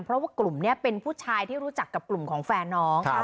เพราะว่ากลุ่มนี้เป็นผู้ชายที่รู้จักกับกลุ่มของแฟนน้อง